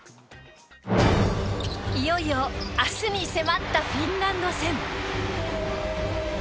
いよいよ明日に迫ったフィンランド戦。